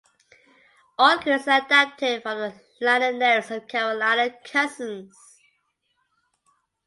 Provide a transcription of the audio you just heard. All credits are adapted from the liner notes of "Carolina Cousins".